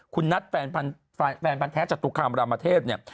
คุณนัทแฟนพันธ์แท้จตุคามรามเทพเนี่ย